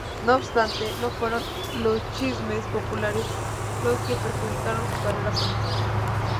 No obstante, no fueron los chismes populares los que perjudicaron su carrera política.